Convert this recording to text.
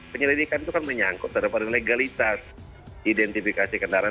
penyelidikan itu kan menyangkut terhadap legalitas identifikasi kendaraan